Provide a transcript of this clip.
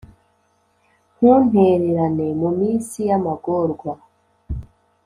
Ntuntererane mu minsi y’amagorwa,